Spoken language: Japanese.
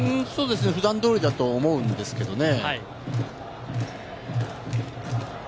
普段通りだと思うんですけれどもね。